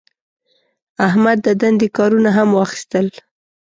احمد د دندې کارونه هم واخیستل.